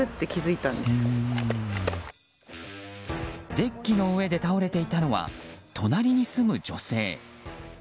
デッキの上で倒れていたのは隣に住む女性。